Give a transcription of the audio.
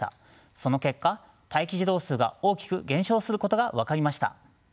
その結果待機児童数が大きく減少することが分かりました。